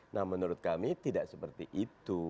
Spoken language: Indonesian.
nah menurut kami tidak seperti itu